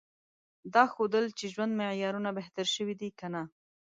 دا ښودل چې ژوند معیارونه بهتر شوي دي که نه؟